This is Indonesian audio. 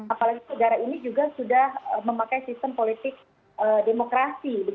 apalagi negara ini juga sudah memakai sistem politik demokrasi